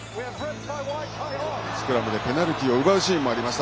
スクラムでペナルティーを奪うシーンがありました。